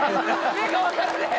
目が分からねえ